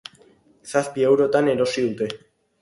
Zazpi eurotan erosi dute.